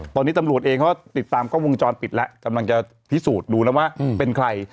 ตอนนี้ตำรวจเองเขาก็ติดตามกล้องวงจรปิดแล้วกำลังจะพิสูจน์ดูนะว่าเป็นใคร